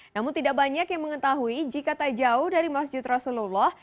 namun tidak banyak yang mengetahui jika tak jauh dari masjid rasulullah